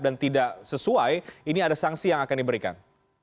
dan tidak sesuai ini ada sanksi yang akan diberikan